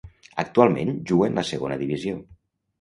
Actualment juga en la Segona Divisió.